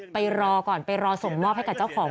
ไปรอก่อนไปรอส่งมอบให้กับเจ้าของ